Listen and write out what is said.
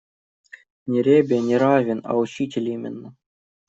Не ребе, не раввин, а учитель именно.